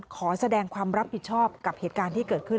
ขอแสดงความรับผิดชอบกับเหตุการณ์ที่เกิดขึ้น